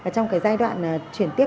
trong cái giai đoạn chuyển tiếp